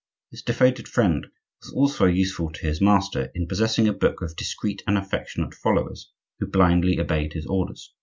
This devoted friend was also useful to his master, in possessing a body of discreet and affectionate followers, who blindly obeyed his orders.